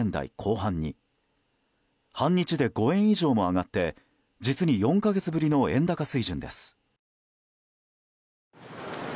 半日で５円以上も上がって実に４か月ぶりの円高水準です。